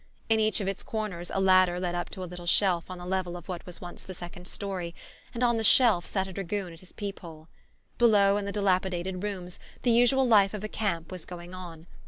In each of its corners a ladder led up to a little shelf on the level of what was once the second story, and on the shelf sat a dragoon at his peep hole. Below, in the dilapidated rooms, the usual life of a camp was going on.